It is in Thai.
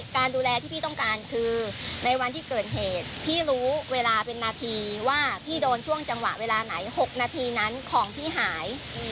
การดูแลที่พี่ต้องการคือในวันที่เกิดเหตุพี่รู้เวลาเป็นนาทีว่าพี่โดนช่วงจังหวะเวลาไหน๖นาทีนั้นของพี่หาย